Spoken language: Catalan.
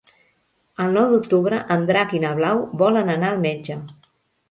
El nou d'octubre en Drac i na Blau volen anar al metge.